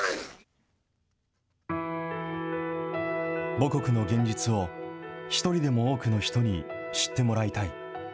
母国の現実を一人でも多くの人に知ってもらいたい。